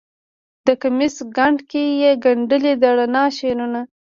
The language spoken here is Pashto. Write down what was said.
د کمیس ګنډ کې یې ګنډلې د رڼا شعرونه